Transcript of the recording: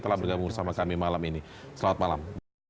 telah bergabung bersama kami malam ini selamat malam